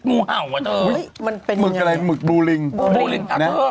พิษงูเห่าวะเธอเฮ้ยมันเป็นยังไงมึกอะไรมึกนะเออ